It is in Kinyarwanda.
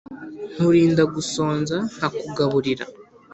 nkurinda gusonza ndakugaburira